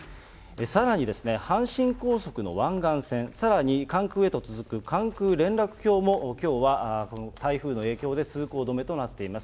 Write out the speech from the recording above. さらに阪神高速の湾岸線、さらに関空へと続く関空連絡橋もきょうは台風の影響で通行止めとなっています。